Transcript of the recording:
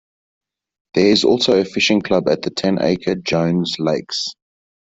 There is also a fishing club at the ten acre Jones Lakes.